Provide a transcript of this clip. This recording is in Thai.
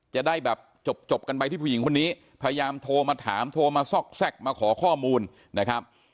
จะได้แบบจบกันไปที่ผู้หญิงคนนี้พยายามโทรมาถามโทรมาซอกแทรกมาขอข้อมูลนะครับ